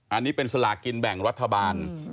อันนี้เป็นสลากินแบ่งรัฐบาล